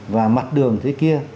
và mặt đường thế kia